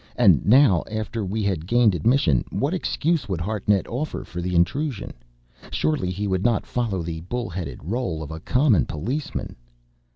And now, after we had gained admission, what excuse would Hartnett offer for the intrusion? Surely he would not follow the bull headed rôle of a common policeman!